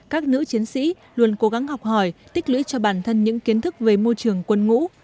các nữ chiến sĩ luôn cố gắng học hỏi tích lưỡi cho bản thân những kiến thức về môi trường quân ngũ